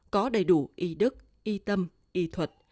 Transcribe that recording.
có đầy đủ y đức y tâm y thuật